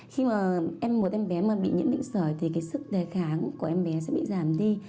khi một em bé bị nhiễm bệnh sởi thì sức đề kháng của em bé sẽ bị giảm đi